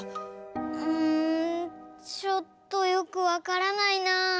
うんちょっとよくわからないな。